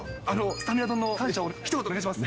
スタミナ丼の感謝をひと言お願いします。